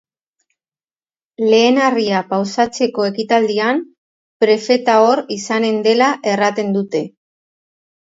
Lehen harria pausatzeko ekitaldian, prefeta hor izanen dela erraten dute.